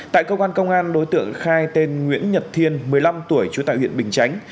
tại cơ quan công an đối tượng khai tên nguyễn nhật thiên một mươi năm tuổi trú tại huyện bình chánh